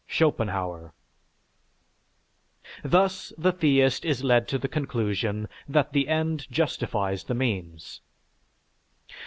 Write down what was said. (Schopenhauer.) Thus the theist is led to the conclusion that the end justifies the means.